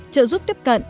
năm trợ giúp tiếp cận